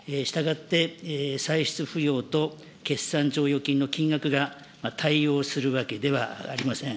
したがって、歳出不用と決算剰余金の金額が対応するわけではありません。